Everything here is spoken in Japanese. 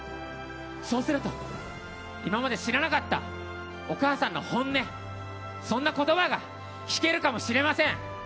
そうすると、今まで知らなかったお母さんの本音そんな言葉が聞けるかもしれません。